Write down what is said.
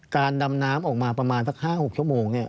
การดำน้ำออกมาประมาณสัก๕๖ชั่วโมง